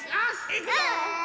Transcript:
いくぞ！